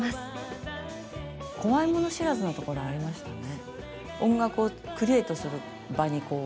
怖いもの知らずなところありましたね。